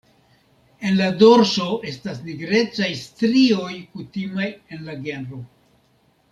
En la dorso estas nigrecaj strioj kutimaj en la genro.